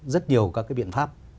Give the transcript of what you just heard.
rất nhiều các cái biện pháp